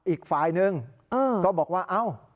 อีกฝ่ายหนึ่งก็บอกว่าเอ้า